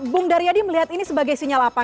bung daryadi melihat ini sebagai sinyal apa